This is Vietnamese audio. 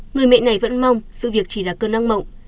người mẹ này vẫn mong sự việc chỉ là cơn năng mộng